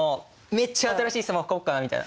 めっちゃ新しいスマホ買おっかなみたいな。